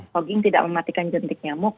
fogging tidak mematikan jentik nyamuk